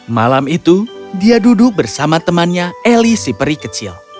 malam itu dia duduk bersama temannya ellie si peri kecil